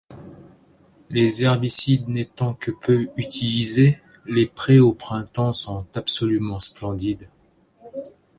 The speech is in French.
Les herbicides n'étant que peu utilisés, les prés au printemps sont absolument splendides.